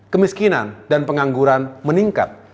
kemiskinan dan pengangguran meningkat